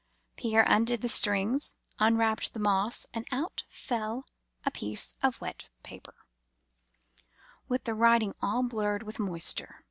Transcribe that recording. Pierre undid the strings, unwrapped the moss, and out fell a piece of wet paper, with the writing all blurred with moisture.